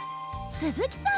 すずきさん！